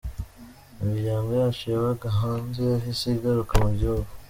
Imiryango yacu yabaga hanze yahise igaruka mu gihugu.